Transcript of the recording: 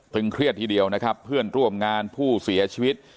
เครียดทีเดียวนะครับเพื่อนร่วมงานผู้เสียชีวิต